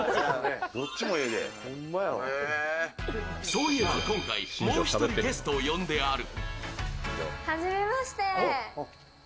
そういえば今回もう一人ゲストを呼んである。